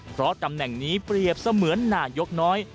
เพราะตำแหน่งนี้เปรียบเสมือนนายกน้อย